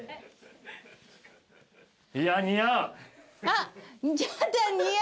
あっ。